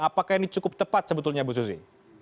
apakah ini cukup tepat sebetulnya bu susi